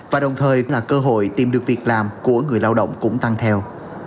và đồng thời là cơ hội tìm được việc làm của người lao động cũng tăng theo